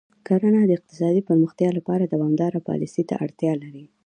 کرنه د اقتصادي پراختیا لپاره دوامداره پالیسۍ ته اړتیا لري.